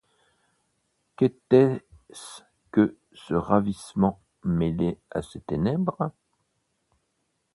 Qu’était-ce que ce ravissement mêlé à ces ténèbres?